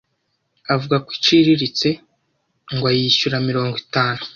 avuga ko iciriritse ngo ayishyura mirongo itanu